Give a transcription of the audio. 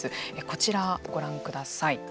こちらご覧ください。